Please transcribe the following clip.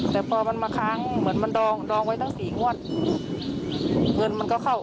แต่พอมันมาค้างเหมือนมันดองดองไว้ตั้งสี่งวดเงินมันก็เข้า